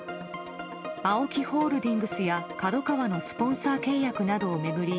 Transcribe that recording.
ＡＯＫＩホールディングスやＫＡＤＯＫＡＷＡのスポンサー契約などを巡り